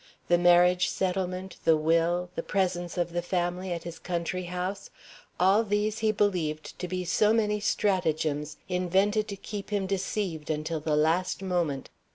The Marriage Settlement, the Will, the presence of the family at his country house all these he believed to be so many stratagems invented to keep him deceived until the last moment.